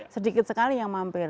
sedikit sekali yang mampir